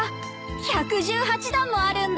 １１８段もあるんだ。